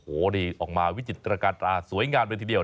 ออกมาวิจิตรการสวยงามไปทีเดียว